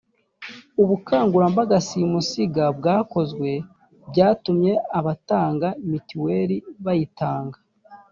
ubukangurambaga simusiga bwakozwe byatumye abatanga mituweli bayitanga